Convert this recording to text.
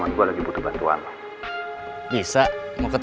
ada pilih pilih dan manfaikan lah